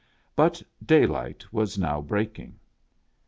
But daylight was now breaking.